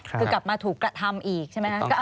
คือกลับมาถูกกระทำอีกใช่ไหมคะ